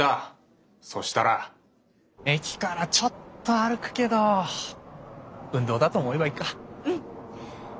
駅からちょっと歩くけど運動だと思えばいいか。